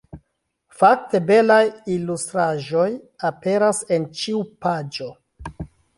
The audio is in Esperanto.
Fakte, belaj ilustraĵoj aperas en ĉiu paĝo.